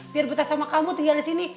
biar betes sama kamu tinggal disini